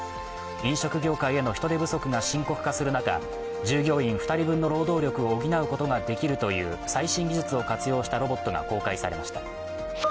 飲食業界への人手不足が深刻化する中従業員２人分の労働力を補うことができるという最新技術を活用したロボットが公開されました。